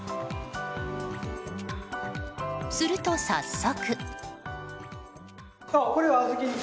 すると早速。